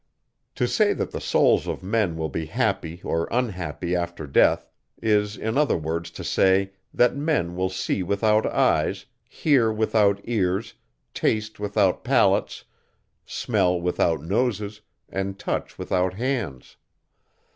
To say that the souls of men will be happy or unhappy after death, is in other words to say, that men will see without eyes, hear without ears, taste without palates, smell without noses, and touch without hands.